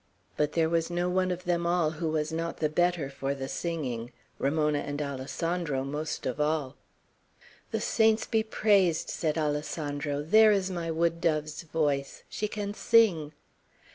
But there was no one of them all who was not the better for the singing; Ramona and Alessandro most of all. "The saints be praised," said Alessandro. "There is my wood dove's voice. She can sing!"